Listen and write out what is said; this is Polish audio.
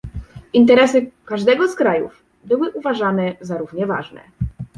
Interesy każdego z krajów były uważane za równie ważne